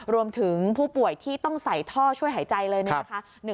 รวมถึงผู้ป่วยที่ต้องใส่ท่อช่วยหายใจเลยเนี่ยนะคะ